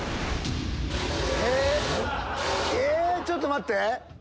ちょっと待って。